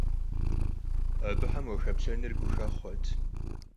Абыхэм уахэплъэныр гухэхъуэт!